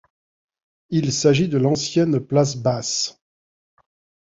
Il s'agit de l'ancienne place Basse.